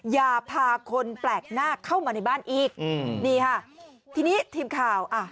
อย่าพาคนแปลกหน้าเข้ามาในบ้านอีกอืมนี่ค่ะทีนี้ทีมข่าวอ่ะ